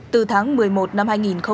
từ tháng một mươi một năm hai nghìn hai mươi